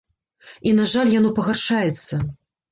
І, на жаль, яно пагаршаецца.